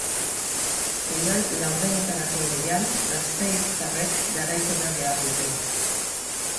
Final laurdenetarako lehian, gasteiztarrek garaipena behar dute.